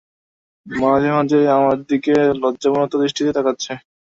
মাঝে মাঝেই আমার দিকে লজ্জাবনত দৃষ্টিতে তাকাচ্ছে।